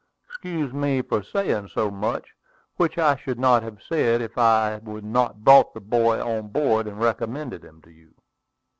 Excuse me for saying so much, which I should not have said if I had not brought the boy on board and recommended him to you."